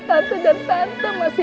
sup ayam yang mbak ketrin